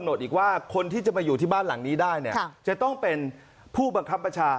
ดอีกว่าคนที่จะมาอยู่ที่บ้านหลังนี้ได้เนี่ยจะต้องเป็นผู้บังคับบัญชา